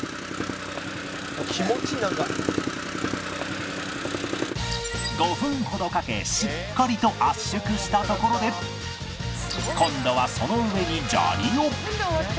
「気持ちいいなんか」５分ほどかけしっかりと圧縮したところで今度はその上に砂利を